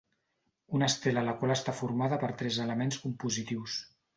Una estela la qual està formada per tres elements compositius.